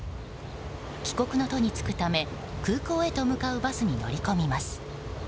帰国の途に就くため空港へと向かうバスに乗り込みます。